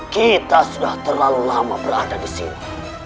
kita sudah terlalu lama berada di sini